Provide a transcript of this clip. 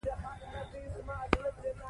دا طریقه د پارکینسن ناروغانو سره مرسته کوي.